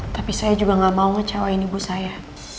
tapi saya juga gak mau ngecewain ibu saya